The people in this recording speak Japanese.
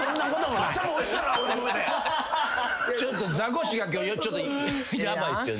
ちょっとザコシが今日ヤバいっすよね。